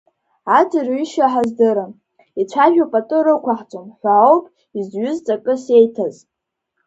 Аӡырҩышьа ҳаздыруам, ицәажәо пату рықәаҳҵом ҳәа ауп изҩыз ҵакыс иеиҭаз.